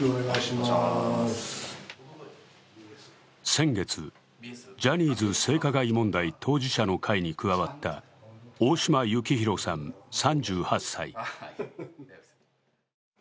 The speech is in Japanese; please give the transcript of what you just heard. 先月、ジャニーズ性加害問題当事者の会に加わった大島幸広さん３８歳。